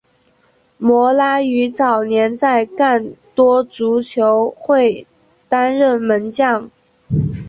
摩拉于早年在干多足球会担任门将。